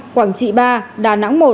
quảng trị ba đà nẵng một